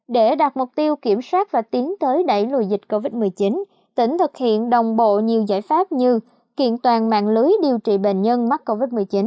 để đạt mục tiêu kiểm soát và tiến tới đẩy lùi dịch covid một mươi chín tỉnh thực hiện đồng bộ nhiều giải pháp như kiện toàn mạng lưới điều trị bệnh nhân mắc covid một mươi chín